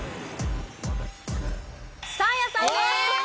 サーヤさんです。